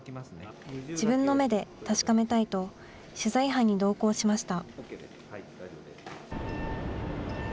自分の目で確かめたいと、取材班に同行しました。